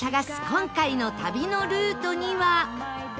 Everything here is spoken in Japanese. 今回の旅のルートには